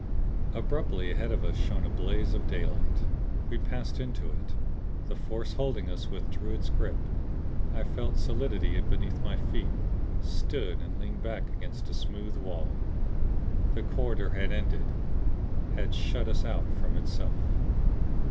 Abruptly, ahead of us shone a blaze of daylight. We passed into it. The force holding us withdrew its grip; I felt solidity beneath my feet; stood and leaned back against a smooth wall. The corridor had ended and had shut us out from itself.